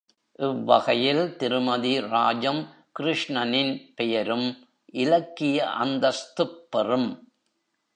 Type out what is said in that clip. இவ்வகையில் திருமதி ராஜம் கிருஷ்ணனின் பெயரும் இலக்கிய அந்தஸ்துப் பெறும்.